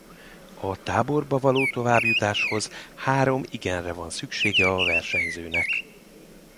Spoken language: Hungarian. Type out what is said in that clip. A táborba való továbbjutáshoz három igenre van szüksége a versenyzőnek.